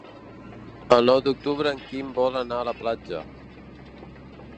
El nou d'octubre en Quim vol anar a la platja.